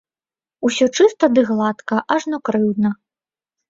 Усё чыста ды гладка, ажно крыўдна!